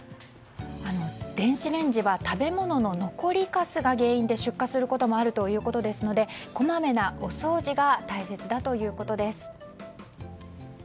電子レンジは食べ物の残りかすが原因で出火することもあるということですのでこまめなお掃除が大切だということです。